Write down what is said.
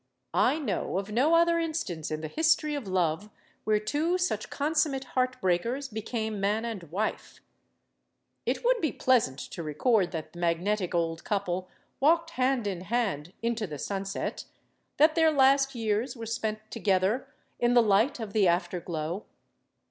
I know of no other instance in the History of Love where two such con summate heart breakers became man and wife. It would be pleasant to record that the magnetic old couple walked hand and hand into the sunset; that their last years were spent together in the light of the afterglow.